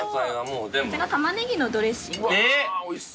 こちらタマネギのドレッシング。